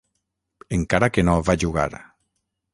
Encara que no va jugar.